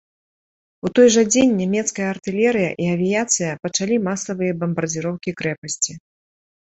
У той жа дзень нямецкая артылерыя і авіяцыя пачалі масавыя бамбардзіроўкі крэпасці.